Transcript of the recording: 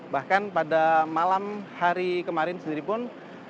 bahkan pada malam hari kemarin sendiri pun